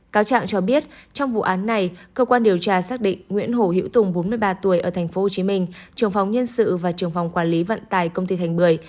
cáo trạng cho biết trong vụ án này cơ quan điều tra xác định nguyễn hồ hiễu tùng bốn mươi ba tuổi ở tp hcm trưởng phòng nhân sự và trưởng phòng quản lý vận tài công ty thành bưởi